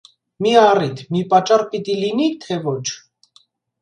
- Մի առիթ, մի պատճառ պիտի լինի՞ թե ոչ: